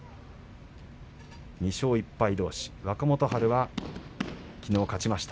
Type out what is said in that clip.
２勝１敗どうし、若元春がきのう勝ちました。